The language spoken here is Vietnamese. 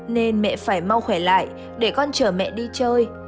nên mẹ phải mau khỏe lại để con chở mẹ đi chơi